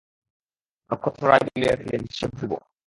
নক্ষত্ররায় বলিয়া ফেলিলেন, সে ধ্রুব।